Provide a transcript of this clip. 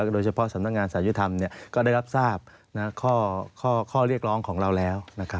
โดยเฉพาะสำนักงานสายุธรรมก็ได้รับทราบข้อเรียกร้องของเราแล้ว